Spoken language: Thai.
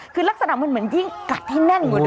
คือลักษณะมันเหมือนยิ่งกัดให้แน่นกว่านี้